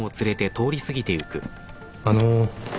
あの。